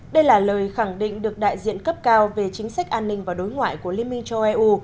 đây là lời khẳng định được đại diện cấp cao về chính sách an ninh và đối ngoại của liên minh châu âu